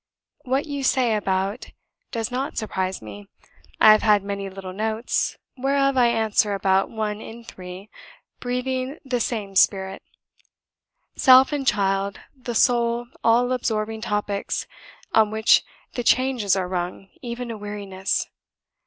What you say about does not surprise me; I have had many little notes (whereof I answer about one in three) breathing the same spirit, self and child the sole all absorbing topics, on which the changes are rung even to weariness.